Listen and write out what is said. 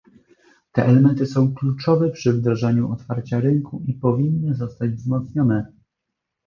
Te elementy są kluczowe przy wdrażaniu otwarcia rynku i powinny zostać wzmocnione